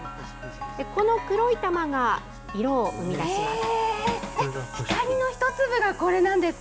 この黒い玉が色を生み出します。